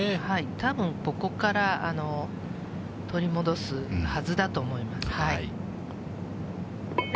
たぶん、ここから取り戻すはずだと思います。